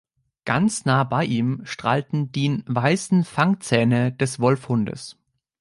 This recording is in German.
Ganz nah bei ihm strahlten dien weißen Fangzähne des Wolfhundes.